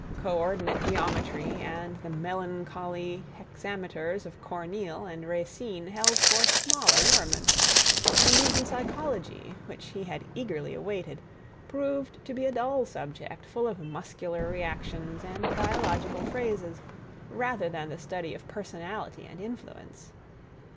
Co ordinate geometry and the melancholy hexameters of Corneille and Racine held forth small allurements, and even psychology, which he had eagerly awaited, proved to be a dull subject full of muscular reactions and biological phrases rather than the study of personality and influence.